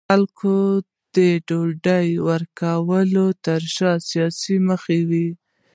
خلکو ته د ډوډۍ ورکولو ترشا سیاسي موخې وې.